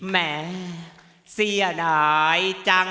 แม่เสียหน่อยจัง